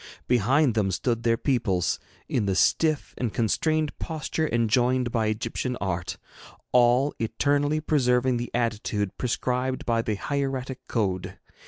Behind them stood their peoples, in the stiff and constrained posture enjoined by Egyptian art, all eternally preserving the attitude prescribed by the hieratic code.